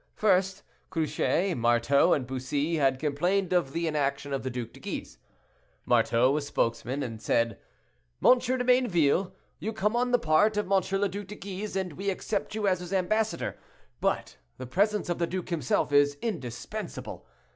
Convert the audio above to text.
First, Cruce, Marteau, and Bussy had complained of the inaction of the Duc de Guise. Marteau was spokesman, and said, "M. de Mayneville, you come on the part of M. le Duc de Guise, and we accept you as his ambassador; but the presence of the duke himself is indispensable.